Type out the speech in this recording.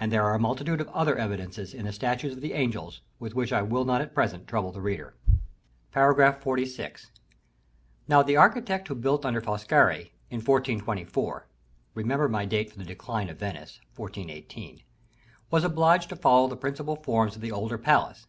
And there are a multitude of other evidences in the statues of the angels, with which I shall not at present trouble the reader. § XLVI. Now, the architect who built under Foscari, in 1424 (remember my date for the decline of Venice, 1418), was obliged to follow the principal forms of the older palace.